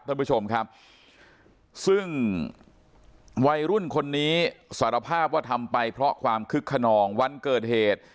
ท่านผู้ชมครับซึ่งวัยรุ่นคนนี้สารภาพว่าทำไปเพราะความคึกขนองวันเกิดเหตุ